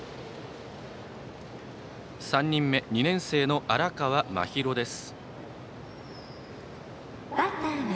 ３人目、２年生の荒川真裕です。